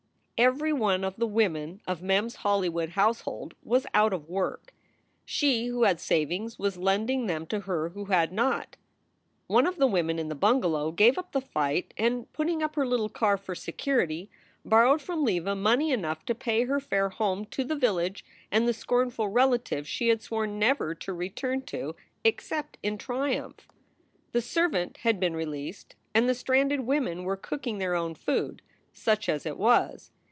Every one of the women of Mem s Hollywood household was out of work. She who had savings was lending them to her who had not. One of the women in the bungalow gave up the fight and, putting up her little car for security, borrowed from Leva money enough to pay her fare home to the village and the scornful relatives she had sworn never to return to except in triumph. The servant had been released and the stranded women were cooking their own food, such as it was.